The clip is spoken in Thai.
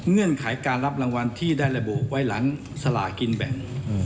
เงื่อนไขการรับรางวัลที่ได้ระบุไว้หลังสลากินแบ่ง